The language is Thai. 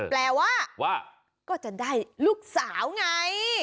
แปลว่าก็จะได้ลูกสาวไง